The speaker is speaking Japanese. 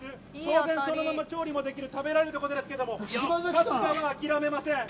当然そのまま調理もできる、食べられるということですけど、まだまだ諦めません。